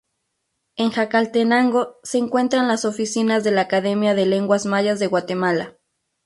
En Jacaltenango se encuentra las oficinas de la Academia de Lenguas Mayas de Guatemala.